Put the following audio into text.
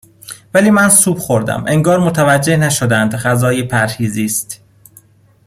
ولی من سوپ خوردم انگار متوجه نشدند غذای پرهیزی است